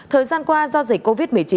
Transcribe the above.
thời gian qua do dịch covid một mươi chín